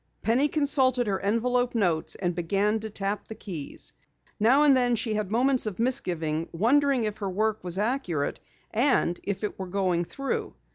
Penny consulted her envelope notes and began to tap the keys. Now and then she had moments of misgiving, wondering if her work was accurate, and if it were going through.